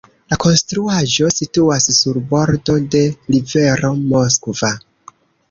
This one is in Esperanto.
La konstruaĵo situas sur bordo de rivero Moskva.